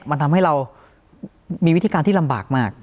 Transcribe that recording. มันทำให้เรามีวิธีการที่ลำบากมาก